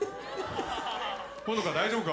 ほのか大丈夫か？